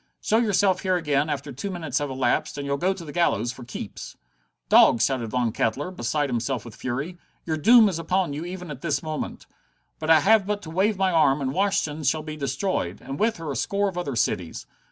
Show yourself here again after two minutes have elapsed, and you'll go to the gallows for keeps." "Dogs!" shouted Von Kettler, beside himself with fury. "Your doom is upon you even at this moment. I have but to wave my arm, and Washington shall be destroyed, and with her a score of other cities.